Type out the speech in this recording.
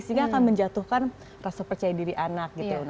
sehingga akan menjatuhkan rasa percaya diri anak gitu